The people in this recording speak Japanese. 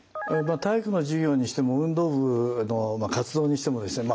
体育の授業にしても運動部の活動にしてもですね